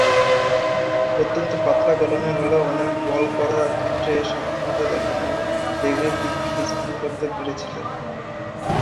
অত্যন্ত পাতলা গড়নের হলেও অনেক বল করার ক্ষেত্রে সক্ষমতা দেখান ও লেগের দিক থেকে স্পিন করাতে পেরেছিলেন।